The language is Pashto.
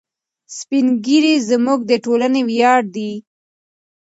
سپین ږیري زموږ د ټولنې ویاړ دي.